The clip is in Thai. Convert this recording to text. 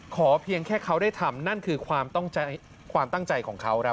เพียงแค่เขาได้ทำนั่นคือความตั้งใจของเขาครับ